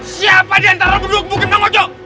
siapa diantara lu berdua yang kebukin emang ojo